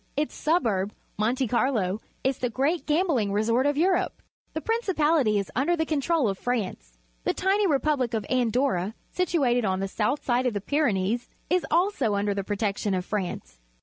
Its suburb, Monte Carlo, is the great gambling resort of Europe. The principahty is under the control of France. The tiny repubhc of Andorra, situated on the swjth side of the Pyrenees, is also under the protection of France.